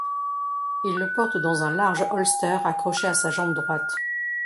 Il le porte dans un large holster accroché à sa jambe droite.